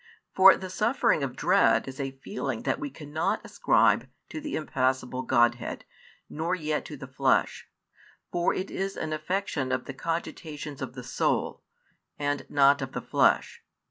For the suffering of dread is a feeling that we cannot ascribe to the impassible Grodhead, nor yet to the Flesh; for it is an affection of the cogitations of the soul, and not of the flesh.